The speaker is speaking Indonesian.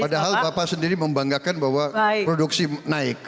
padahal bapak sendiri membanggakan bahwa produksi naik